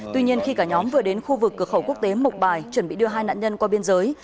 tuy nhiên khi cả nhóm vừa đến khu vực cửa khẩu quốc tế mộc bài chuẩn bị đưa hai nạn nhân qua biên giới